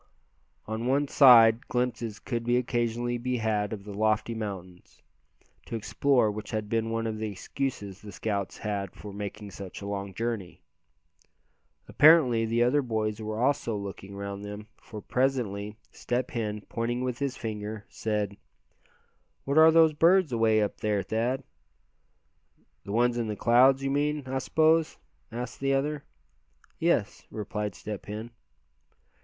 On one side glimpses could occasionally be had of the lofty mountains, to explore which had been one of the excuses the scouts had for making such a long journey. Apparently the other boys were also looking around them, for presently Step Hen, pointing with his finger, said: "What are those birds away up there, Thad?" "The ones up in the clouds, you mean, I suppose?" asked the other. "Yes," replied Step Hen.